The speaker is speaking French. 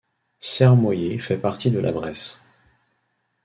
Sermoyer fait partie de la Bresse.